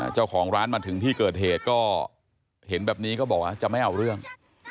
เจ้าของร้านมาถึงที่เกิดเหตุก็เห็นแบบนี้ก็บอกว่าจะไม่เอาเรื่อง